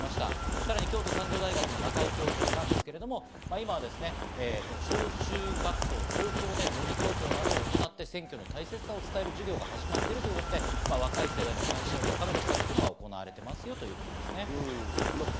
さらに京都産業大学の中井教授は、今、小中学校、高校でも模擬投票などを行って選挙の大切さを伝える授業が始まってるということで、若い世代の関心を高める施策が行われていますよということですね。